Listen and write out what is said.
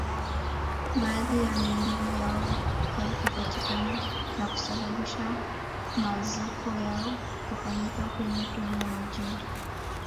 Baadhi yao miili yao haikupatikana na kusababisha maziko yao kufanyika humo humo majini